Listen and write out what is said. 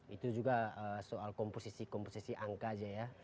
itu juga soal komposisi komposisi angka aja ya